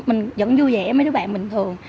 mình vẫn vui vẻ mấy đứa bạn bình thường